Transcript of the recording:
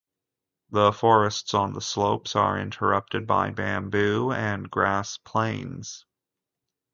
The forests on the slopes are interrupted by bamboo and grass plains.